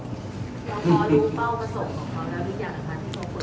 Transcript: แล้วพอดูเป้าประสงค์ของพรรณวิทยาลัยค่ะ